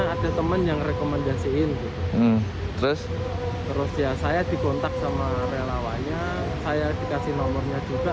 ada teman yang rekomendasiin terus terus ya saya dikontak sama relawannya saya dikasih nomornya juga